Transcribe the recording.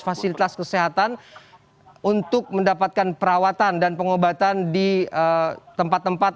fasilitas kesehatan untuk mendapatkan perawatan dan pengobatan di tempat tempat